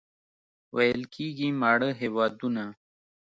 ویل کېږي ماړه هېوادونه.